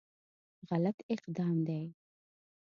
غلط اقدام دی.